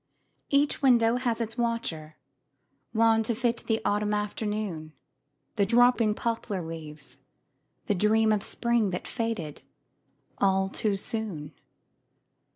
Each window has its watcher wan To fit the autumn afternoon, The dropping poplar leaves, the dream Of spring that faded all too soon.